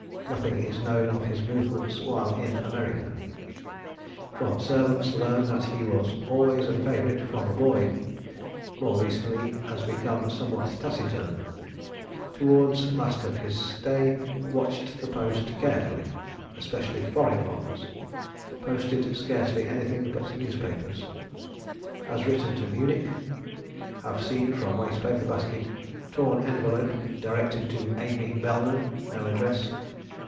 Nothing is known of his movements while in America. "From servants learn that he was always a favorite from a boy. More recently has become somewhat taciturn. Toward last of his stay watched the post carefully, especially foreign ones. Posted scarcely anything but newspapers. Has written to Munich. Have seen, from waste paper basket, torn envelope directed to Amy Belden, no address.